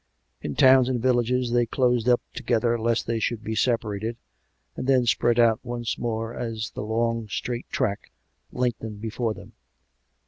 In towns and villages they closed up together lest they should be separated, and then spread out once more as the long, straight track lengthened before them.